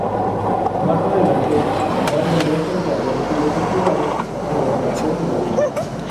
Más adelante, dando muestras de haber sido torturado, se retractó de lo dicho.